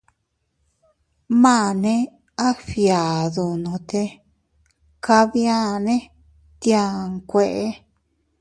Maane a fgiadunote kabiane tia nkue.